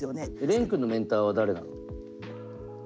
廉くんのメンターは誰なの？